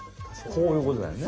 こういうことだよね。